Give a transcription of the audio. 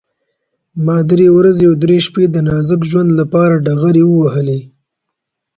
ما درې ورځې او درې شپې د نازک ژوند لپاره ډغرې ووهلې.